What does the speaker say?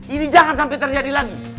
ini jangan sampai terjadi lagi